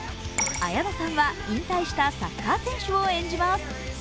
綾野さんは引退したサッカー選手を演じます。